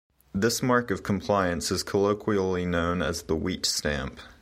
This mark of compliance is colloquially known as the "wheat stamp".